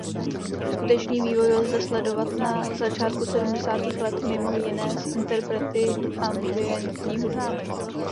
Skutečný vývoj lze sledovat na začátku sedmdesátých let mimo jiné s interprety ambientní hudby.